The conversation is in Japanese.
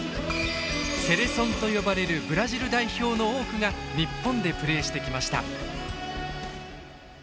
セレソンと呼ばれるブラジル代表の多くが日本でプレーしてきました。